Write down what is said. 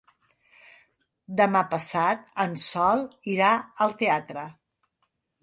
Demà passat en Sol irà al teatre.